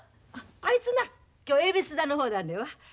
あいつな今日恵比寿座の方なんだわ。